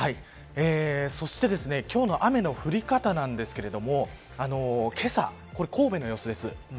そして今日の雨の降り方なんですけれどもけさ、これ神戸の様子です。